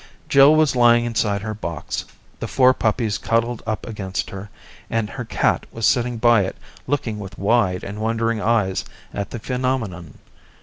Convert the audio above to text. Jill was lying inside her box, the four puppies cuddled up against her, and her cat was sitting by it looking with wide and wondering eyes at the phenomenon.